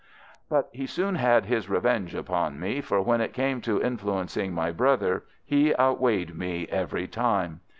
"But he soon had his revenge upon me, for when it came to influencing my brother he outweighed me every time.